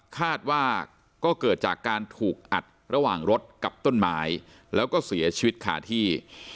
คาดว่าก็เกิดจากการถูกอัดระหว่างรถกับต้นไม้แล้วก็เสียชีวิตคาที่